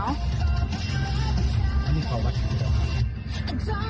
มันเต็มเต็มชินทาง